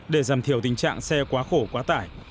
để giảm thiểu tình trạng xe quá khổ quá tải